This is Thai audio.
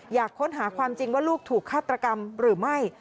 อยากค้นหาความจริงว่าลูกถูกฆาตกรรมหรือไม่